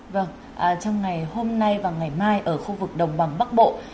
vâng trong ngày hôm nay và ngày mai ở khu vực đồng bằng bắc bộ